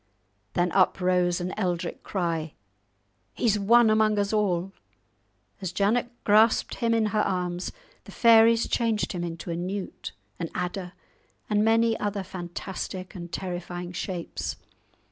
Then up rose an eldrich cry, "He's won among us all!" As Janet grasped him in her arms the fairies changed him into a newt, an adder, and many other fantastic and terrifying shapes.